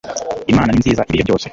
Imana n i nziza ibihe byose